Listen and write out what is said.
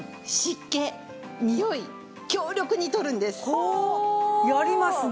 ほおやりますね！